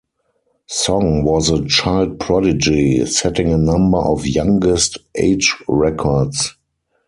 Song was a child prodigy, setting a number of "youngest" age records.